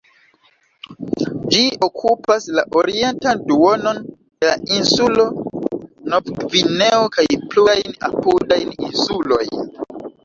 Ĝi okupas la orientan duonon de la insulo Nov-Gvineo kaj plurajn apudajn insulojn.